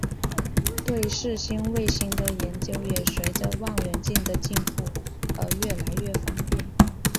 对土星卫星的研究也随着望远镜的进步而越来越方便。